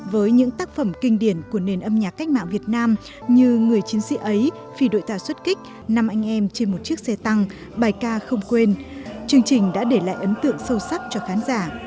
với những tác phẩm kinh điển của nền âm nhạc cách mạng việt nam như người chiến sĩ ấy phi đội tàu xuất kích năm anh em trên một chiếc xe tăng bài ca không quên chương trình đã để lại ấn tượng sâu sắc cho khán giả